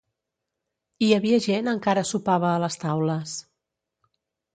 Hi havia gent encara sopava a les taules.